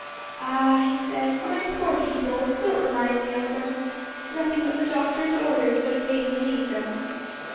"Ah," he said; "my poor people! Don't remind me of them. Nothing but the doctor's orders would have made me leave them."